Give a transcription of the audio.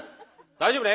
大丈夫ね？